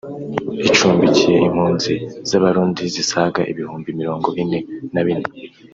icumbikiye impunzi z’Abarundi zisaga ibihumbi mirongo ine na bine